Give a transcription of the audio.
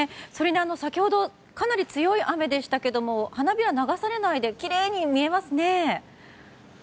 それに、先ほどかなり強い雨でしたが花びら流されないできれいに見えますね。